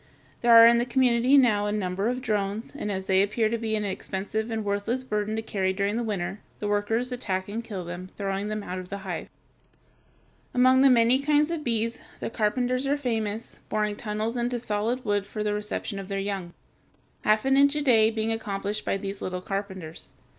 There are in the community now a number of drones, and as they appear to be an expensive and worthless burden to carry during the winter, the workers attack and kill them, throwing them out of the hive. [Illustration: FIG. 251. Carpenter bee.] Among the many kinds of bees the carpenters (Fig. 251) are famous, boring tunnels into solid wood for the reception of their young; half an inch a day being accomplished by these little carpenters.